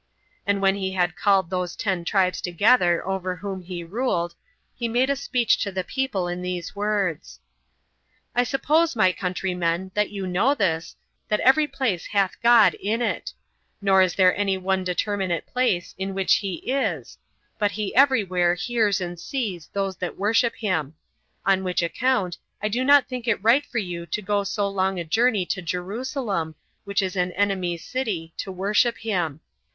And when he had called those ten tribes together over whom he ruled, he made a speech to the people in these words: "I suppose, my countrymen, that you know this, that every place hath God in it; nor is there any one determinate place in which he is, but he every where hears and sees those that worship him; on which account I do not think it right for you to go so long a journey to Jerusalem, which is an enemy's city, to worship him.